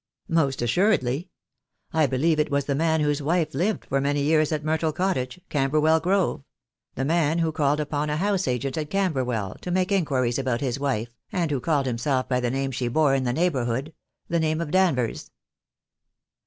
"Most assuredly. I believe it was the man whose wife lived for many years at Myrtle Cottage, Camberwell Grove; the man who called upon a house agent at Cam berwell to make inquiries about his wife, and who called himself by the name she bore in the neighbourhood — the name of Danvers.